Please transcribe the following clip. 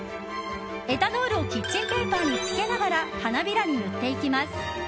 エタノールをキッチンペーパーにつけながら花びらに塗っていきます。